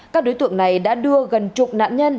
các đối tượng này đã đưa gần chục nạn nhân